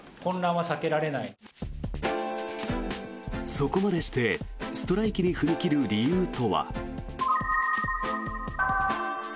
そこまでしてストライキに踏み切る理由とは。